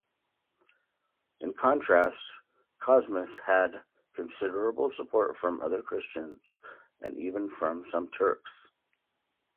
In contrast, Cosmas had considerable support from other Christians and even from some Turks.